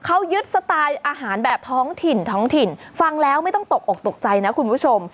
เขายึดสไตล์อาหารแบบท้องถิ่นท้องถิ่นฟังแล้วไม่ต้องตกอกตกใจนะคุณผู้ชม